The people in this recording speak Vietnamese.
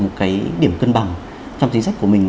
một cái điểm cân bằng trong chính sách của mình